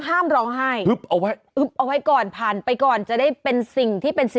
ห้ามร้องไห้เอาไว้เอาไว้ก่อนผ่านไปก่อนจะได้เป็นสิ่งที่เป็น